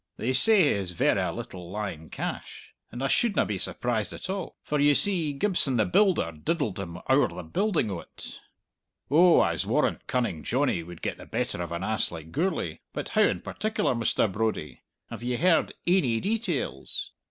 They say he has verra little lying cash! And I shouldna be surprised at all. For, ye see, Gibson the builder diddled him owre the building o't." "Oh, I'se warrant Cunning Johnny would get the better of an ass like Gourlay. But how in particular, Mr. Brodie? Have ye heard ainy details?"